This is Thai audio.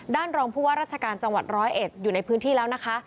รองผู้ว่าราชการจังหวัดร้อยเอ็ดอยู่ในพื้นที่แล้วนะคะ